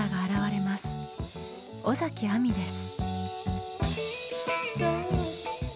尾崎亜美です。